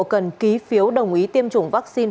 cần ký phiếu đồng ý tiêm chủng vaccine